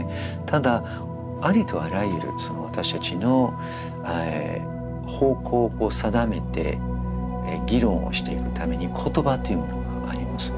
ただありとあらゆる私たちの方向を定めて議論をしていくために言葉というものがあります。